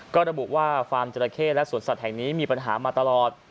ก็ระบุว่าฟาร์มจราเข้และสวนสัตว์แห่งนี้มีปัญหามาตลอด